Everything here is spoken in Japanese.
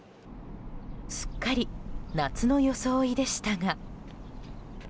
すっかり夏の装いでしたが。